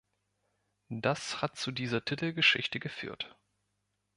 Das hat zu dieser Titelgeschichte geführt.